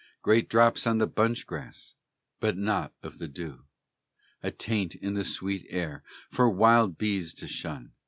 Great drops on the bunch grass, But not of the dew! A taint in the sweet air For wild bees to shun!